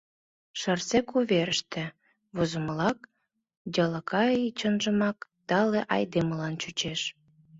«Шарсег уверыште» возымылак, Дьалокаи чынжымак «тале» айдемыла чучеш.